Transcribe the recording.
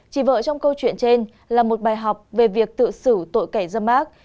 chỉ vợ trong câu chuyện trên là một bài học về việc tự xử tội kẻ dâm ác